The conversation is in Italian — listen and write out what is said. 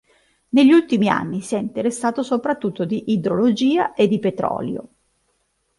Negli ultimi anni si è interessato soprattutto di idrologia e di petrolio.